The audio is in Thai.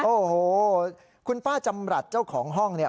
โอ้โหคุณป้าจำรัฐเจ้าของห้องเนี่ย